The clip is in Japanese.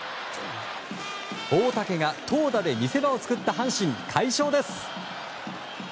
大竹が投打で見せ場を作った阪神、快勝です。